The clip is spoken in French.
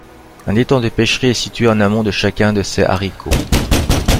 Un étang de pêcherie est situé en amont de chacun de ces haricots.